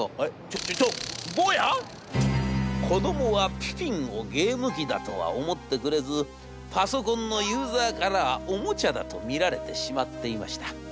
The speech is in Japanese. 『ちょちょちょ坊や！』。子どもはピピンをゲーム機だとは思ってくれずパソコンのユーザーからはおもちゃだと見られてしまっていました。